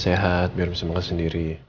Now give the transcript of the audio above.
cepet sehat biar bisa makan sendiri ya